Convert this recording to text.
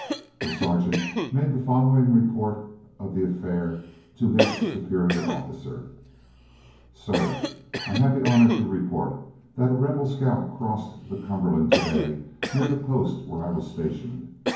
The Sergeant made the following report of the affair to his superior officer: Sir: I have the honor to report that a Rebel scout crossed the Cumberland to day near the post where I was stationed.